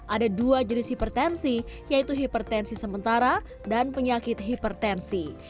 ada dua jenis hipertensi yaitu hipertensi sementara dan penyakit hipertensi